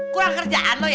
kurang kerjaan lo ya